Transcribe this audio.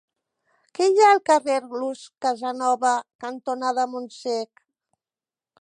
Què hi ha al carrer Luz Casanova cantonada Montsec?